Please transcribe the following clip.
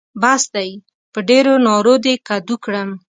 بس دی؛ په ډېرو نارو دې کدو کړم.